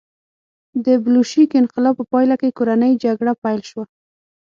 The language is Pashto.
د بلشویک انقلاب په پایله کې کورنۍ جګړه پیل شوه